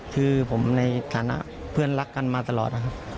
คือผมในฐานะเพื่อนรักกันมาตลอดนะครับ